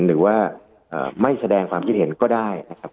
หรือว่าไม่แสดงความคิดเห็นก็ได้นะครับ